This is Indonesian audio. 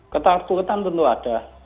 ketakutan tentu ada